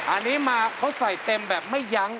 อันนี้มาเขาใส่เต็มแบบไม่ยั้ง